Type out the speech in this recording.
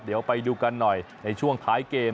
เดี๋ยวไปดูกันหน่อยในช่วงท้ายเกม